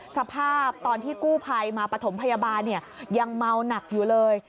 สภาพตอนที่กู้ภัยมาปฐมพยาบาลยังเมาหนักอยู่เลย